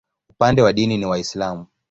Upande wa dini ni Waislamu.